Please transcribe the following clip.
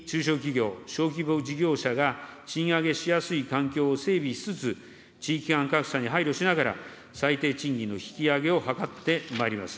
引き続き中小企業、小規模事業者が賃上げしやすい環境を整備しつつ、地域間格差に配慮しながら、最低賃金の引き上げを図ってまいります。